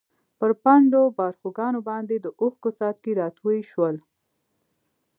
پر پڼډو باړخوګانو باندې د اوښکو څاڅکي راتوی شول.